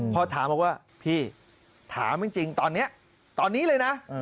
พอถามเขาว่าพี่ถามจริงตอนนี้เลยนะ